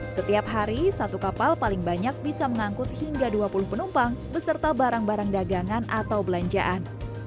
setiap hari satu kapal paling banyak bisa mengangkut hingga dua puluh penumpang beserta barang barang dagangan atau belanjaan